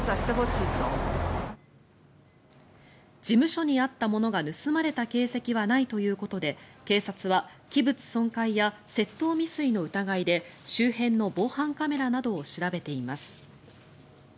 事務所にあったものが盗まれた形跡はないということで警察は器物損壊や窃盗未遂の疑いで周辺の防犯カメラなどを調べています。